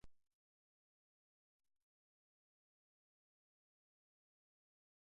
Unitatea atoi kotxe bat gehiago gaineratzeko prestatuta zegoen.